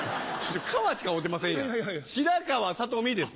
川しか合うてませんやん白川悟実です。